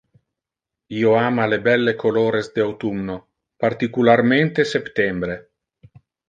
Io ama le belle colores de autumno, particularmente septembre.